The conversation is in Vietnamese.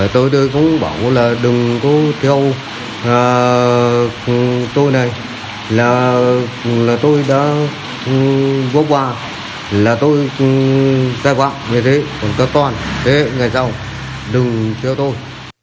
theo tôi này là tôi đã vô quả là tôi sai quạng như thế còn cơ toàn thế ngày sau đừng theo tôi